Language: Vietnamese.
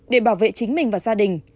để bảo vệ chính mình và gia đình